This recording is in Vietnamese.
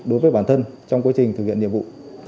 đối với bản thân trong quá trình thực hiện nhiệm vụ